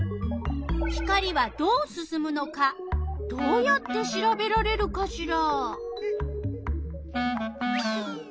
光はどうすすむのかどうやってしらべられるかしら？